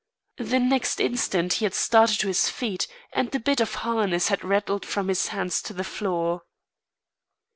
The next instant he had started to his feet and the bit of harness had rattled from his hands to the floor.